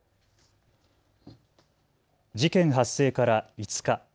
事件発生から５日。